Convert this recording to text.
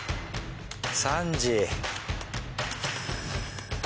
３時。